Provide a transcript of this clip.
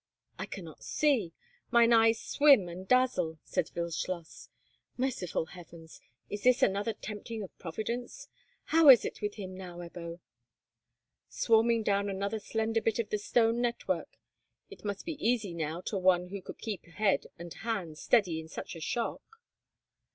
"I cannot see. Mine eyes swim and dazzle," said Wildschloss. "Merciful heavens! is this another tempting of Providence? How is it with him now, Ebbo?" "Swarming down another slender bit of the stone network. It must be easy now to one who could keep head and hand steady in such a shock."